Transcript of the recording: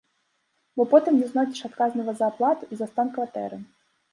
Бо потым не знойдзеш адказнага за аплату і за стан кватэры.